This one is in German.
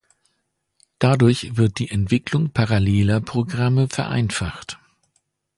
Dadurch wird die Entwicklung paralleler Programme vereinfacht.